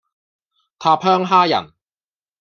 塔香蝦仁